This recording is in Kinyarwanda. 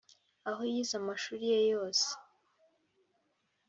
aho yize amashuri ye yose